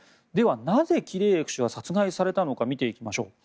では、なぜキレーエフ氏は殺害されたのか見ていきます。